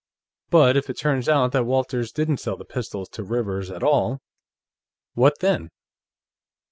But if it turns out that Walters didn't sell the pistols to Rivers at all, what then?"